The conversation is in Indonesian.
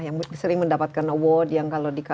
yang sering mendapatkan award yang kalau dikatakan